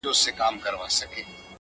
o داده ميني ښار وچاته څه وركوي،